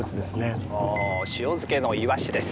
塩漬けのイワシです。